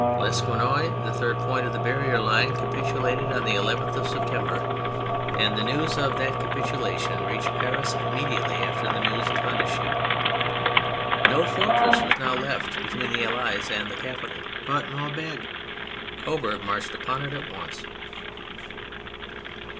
Le quesnoy, the third point of the barrier line, capitulated on the 11th of September, and G 2 196 THE FRENCH REVOLUTION the news of that capitulation reached Paris immediately after the news of Hondschoote. No fortress was now left between the Allies and the capital but Maubeuge. Coburg marched upon it at once.